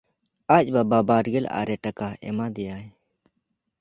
ᱟᱡ ᱵᱟᱵᱟ ᱵᱟᱨᱜᱮᱞ ᱟᱨᱮ ᱴᱟᱠᱟ ᱮᱢᱟ ᱫᱮᱭᱟᱭ᱾